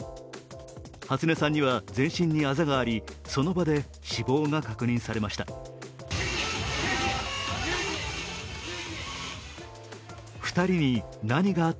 初音さんには全身にあざがありその場で死亡が確認されました。